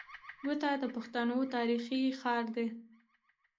کوټه د پښتنو تاريخي ښار دی.